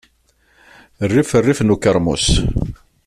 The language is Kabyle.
Rrif rrif n ukeṛmus.